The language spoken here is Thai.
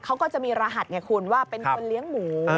เขาก็จะมีรหัสไงคุณว่าเป็นคนเลี้ยงหมู